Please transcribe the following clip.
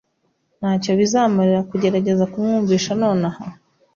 Ntacyo bizamarira kugerageza kumwumvisha nonaha?